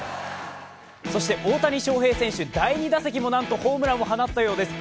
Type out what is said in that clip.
大谷翔平選手、第２打席もなんとホームランを放ったそうです。